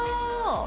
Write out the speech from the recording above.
ああ！